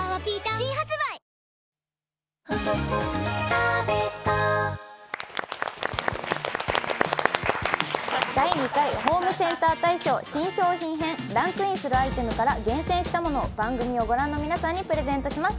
新発売第２回ホームセンター大賞・新商品編、ランクインするアイテムから厳選したものを番組をご覧の皆様にプレゼントします。